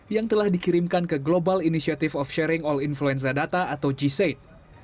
yang telah dikirimkan ke global initiative of sharing all influenza data atau g said